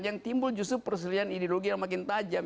yang timbul justru perselian ideologi yang makin tajam